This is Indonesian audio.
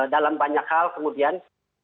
dalam banyak hal kemudian